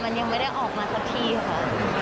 มันยังไม่ได้ออกมาสักทีค่ะ